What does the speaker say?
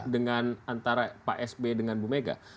dengan antara pak sb dengan bu mega